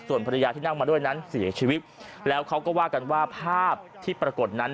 ส่วนภรรยาที่นั่งมาด้วยนั้นเสียชีวิตแล้วเขาก็ว่ากันว่าภาพที่ปรากฏนั้น